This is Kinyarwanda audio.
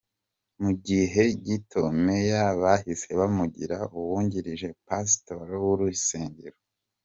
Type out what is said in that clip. Mu gihe gito, Meyer bahise bamugira uwungirije pasitori w’urusengero.